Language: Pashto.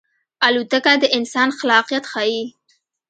الوتکه د انسان خلاقیت ښيي.